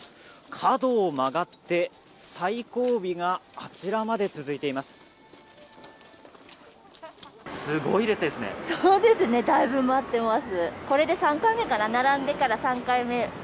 角を曲がって最後尾があちらまで続いています。